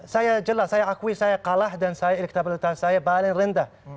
saya jelas saya akui saya kalah dan elektabilitas saya paling rendah